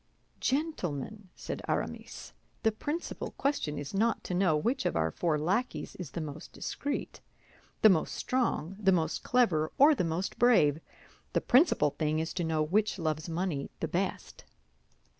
"Gentlemen," said Aramis, "the principal question is not to know which of our four lackeys is the most discreet, the most strong, the most clever, or the most brave; the principal thing is to know which loves money the best."